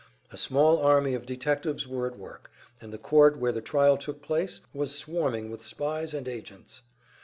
A small army of detectives were at work, and the court where the trial took place was swarming with spies and agents.